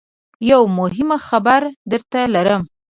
یوه مهمه خبره درته لرم .